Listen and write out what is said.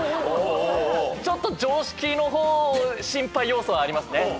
ちょっと常識の方心配要素ありますね。